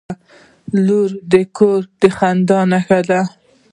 • لور د کور د خندا نښه ده.